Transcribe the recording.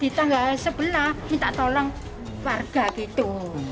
di tangga sebelah minta tolong warga gitu